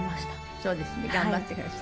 そうですね、頑張ってください。